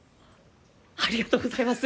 ありがとうございます！